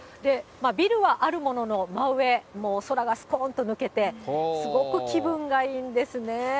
ビルはあるものの、真上、もう空がすこーんと抜けて、すごく気分がいいんですね。